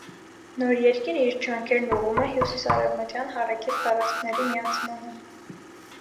Նոր երկիրը իր ջանքերն ուղղում է հյուսիսարևմտյան հարակից տարածքների միացմանը։